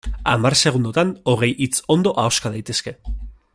Hamar segundotan hogei hitz ondo ahoska daitezke.